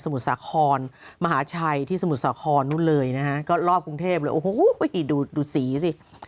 สมุดสฮรมหาชัยที่สมุดสฮรรอบกรุงเทพฯดูสีสิ